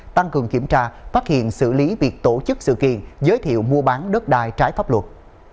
tăng cường kiểm tra phát hiện xử lý việc tổ chức sự kiện giới thiệu mua bán đất đai trái pháp luật